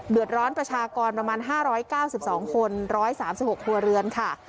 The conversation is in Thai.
เดือดร้อนประชากรประมาณห้าร้อยเก้าสิบสองคนร้อยสามสิบหกหัวเรือนค่ะ